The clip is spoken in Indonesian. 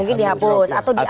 mungkin dihapus atau diambil